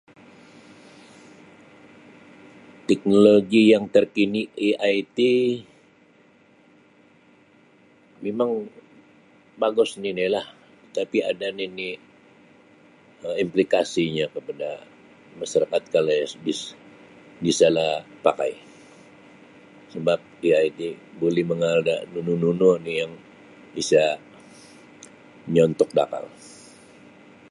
Teknologi yang terkini AI ti mimang bagus nini lah tapi ada nini um implikasinyo kapada masarakat kalau iyo dis disalah pakai sebab dia ni buli mengaal da nunu nunu nu yang isa miyontuk da akal